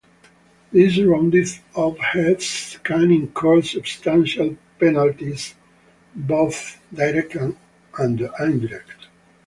These rounded-off heads can incur substantial penalties, both direct and indirect.